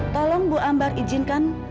tolong bu ambar izinkan